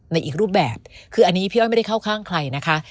ในอีกรูปแบบคืออันนี้พี่อ้อยไม่ได้เข้าข้างใครนะคะ